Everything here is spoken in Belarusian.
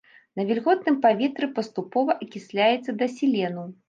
На вільготным паветры паступова акісляецца да селену.